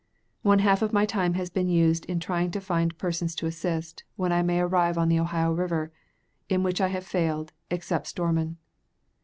One half of my time has been used in trying to find persons to assist, when I may arrive on the Ohio river, in which I have failed, except Stormon.